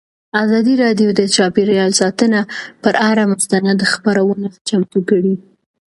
ازادي راډیو د چاپیریال ساتنه پر اړه مستند خپرونه چمتو کړې.